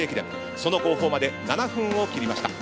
その号砲まで７分を切りました。